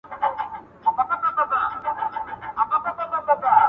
که دي چیري په هنیداري کي سړی و تېرایستلی,